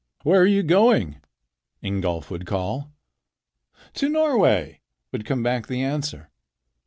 "Where are you going?" Ingolf would call. "To Norway," would come back the answer.